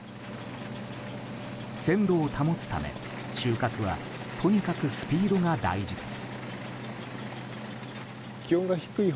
鮮度を保つため、収穫はとにかくスピードが大事です。